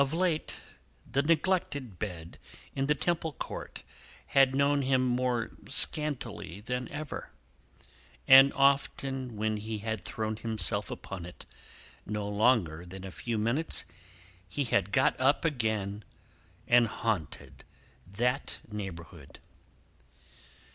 Of late, the neglected bed in the Temple Court had known him more scantily than ever; and often when he had thrown himself upon it no longer than a few minutes, he had got up again, and haunted that neighbourhood.